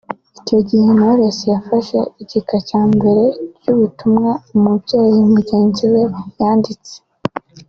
Icyo gihe Knowless yafashe igika cya mbere cy’ubutumwa umubyeyi mugenzi we yanditse